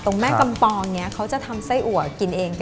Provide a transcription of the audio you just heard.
ตรงแม่กำปองนี้เขาจะทำไซห์หัวกินเอง